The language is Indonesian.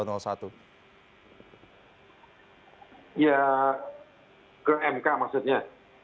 ya ke mk maksudnya